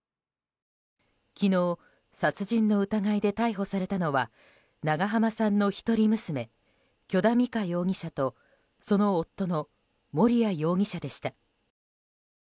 昨日殺人の疑いで逮捕されたのは長濱さんの一人娘許田美香容疑者とその夫の盛哉容疑者でした。